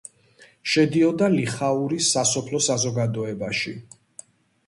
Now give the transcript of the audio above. შედიოდა ლიხაურის სასოფლო საზოგადოებაში.